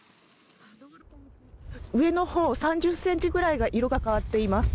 上のほう３０ｃｍくらいが色が変わっています。